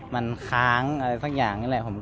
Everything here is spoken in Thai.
เวลาที่สุดตอนที่สุด